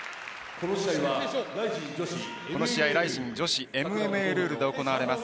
この試合、ＲＩＺＩＮ女子ＭＭＡルールで行われます。